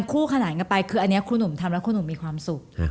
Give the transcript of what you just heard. คู่ขนานกันไปคืออันนี้ครูหนุ่มทำแล้วครูหนุ่มมีความสุข